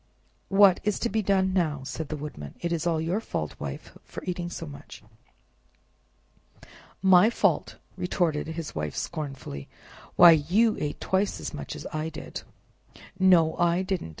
"What's to be done now?" said the Woodman; "it is all your fault, Wife, for eating so much." "My fault!" retorted his Wife scornfully, "why, you ate twice as much as I did!" "No, I didn't!"